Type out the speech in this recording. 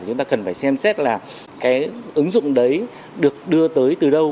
chúng ta cần phải xem xét là cái ứng dụng đấy được đưa tới từ đâu